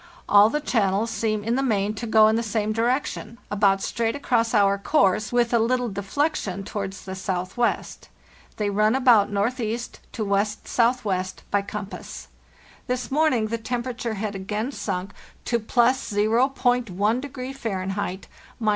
All the channels seem in the main to go in the same direction—about straight across our course, with a little deflection towards the southwest. They run about northeast to west southwest (by compass). This morning the temperature had again sunk to +0.1° Fahr. (—17.